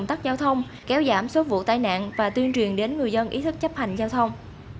tắc giao thông kéo giảm số vụ tai nạn và tuyên truyền đến người dân ý thức chấp hành giao thông